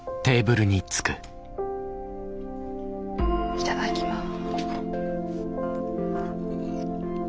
いただきます。